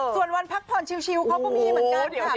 ส่วนวันพักผ่อนชิวเขาก็มีเหมือนกันค่ะ